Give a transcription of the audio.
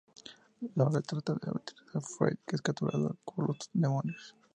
Lorne trata de advertirle a Fred pero es capturado por los demonios.